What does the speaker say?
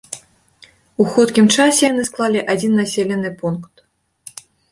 У хуткім часе яны склалі адзін населены пункт.